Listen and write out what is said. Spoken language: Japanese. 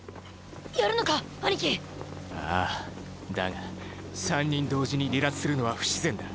やるのか兄貴⁉ああだが３人同時に離脱するのは不自然だ。